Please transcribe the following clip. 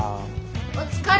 お疲れ。